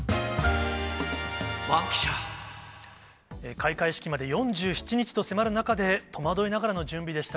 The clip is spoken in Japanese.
開会式まで４７日と迫る中で、戸惑いながらの準備でした。